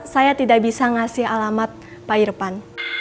saya tidak bisa ngasih alamat pak irfan